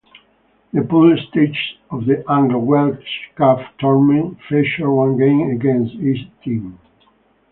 The pool stages of the Anglo-Welsh Cup tournament feature one game against each team.